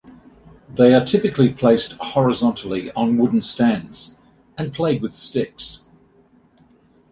They are typically placed horizontally on wooden stands and played with sticks.